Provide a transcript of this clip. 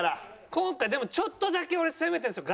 今回でもちょっとだけ俺攻めてるんですよ。